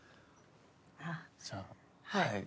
じゃあはい。